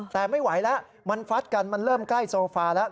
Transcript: แต่ไม่ไหวแล้วมันฟัดกันมันเริ่มใกล้โซฟาแล้ว